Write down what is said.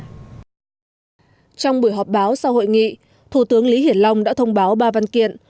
trong buổi họp báo sau hội nghị thủ tướng lý hiển long đã thông báo ba văn kiện